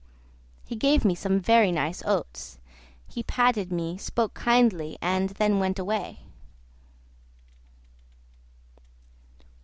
He gave me some very nice oats, he patted me, spoke kindly, and then went away.